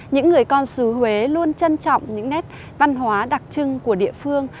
những người con xứ huế luôn trân trọng những nét văn hóa đặc trưng của địa phương